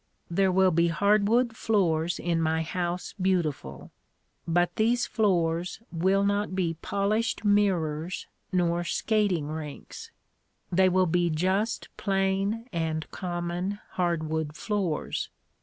There will be hardwood floors in my house beautiful. But these floors will not be polished mirrors nor skating rinks. They will be just plain and common hardwood floors.